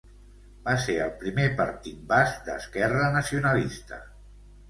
Va ser el primer partit basc d'esquerra nacionalista.